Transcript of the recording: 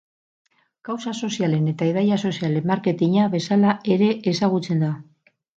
Kausa sozialen eta ideia sozialen marketina bezala ere ezagutzen da.